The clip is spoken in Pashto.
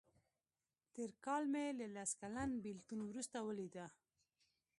تېر کال مې له لس کلن بیلتون وروسته ولیده.